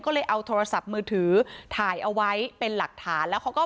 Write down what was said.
ก็เลยเอาโทรศัพท์มือถือถ่ายเอาไว้เป็นหลักฐานแล้วเขาก็